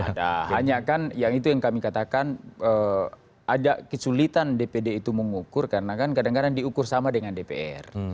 ada hanya kan yang itu yang kami katakan ada kesulitan dpd itu mengukur karena kan kadang kadang diukur sama dengan dpr